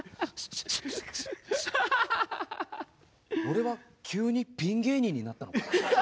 俺は急にピン芸人になったのか？